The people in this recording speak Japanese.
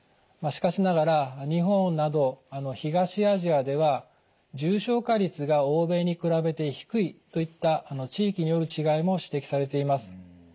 しかしながら日本など東アジアでは重症化率が欧米に比べて低いといった地域による違いも指摘されています。